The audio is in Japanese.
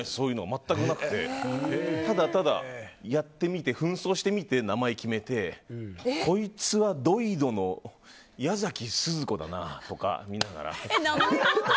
全くなくてただただやってみて紛争してみて名前を決めてこいつは、矢崎すず子だなとか見ながら。